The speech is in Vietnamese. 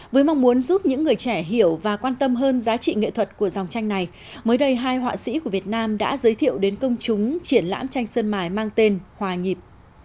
với mong muốn giúp những người trẻ hiểu và quan tâm hơn giá trị nghệ thuật của dòng tranh này mới đây hai họa sĩ của việt nam đã giới thiệu đến công chúng triển lãm tranh sơn mài mang tên hòa nhịp